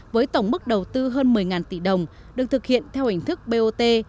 với tổng mức đầu tư hơn một mươi tỷ đồng được thực hiện theo hình thức bot